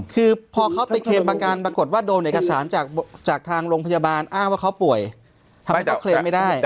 คือพอเขาไปเคลมประกันปรากฏว่าโดนเอกสารจากทางโรงพยาบาลอ้างว่าเขาป่วยทำให้เขาเคลมไม่ได้